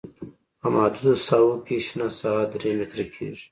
په محدودو ساحو کې شنه ساحه درې متره کیږي